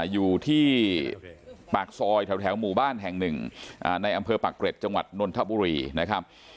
อยู่ที่ปากซอยแถวหมู่บ้านแห่งหนึ่งในอำเภอปากเกร็ดจังหวัดนนทบุรีนะครับ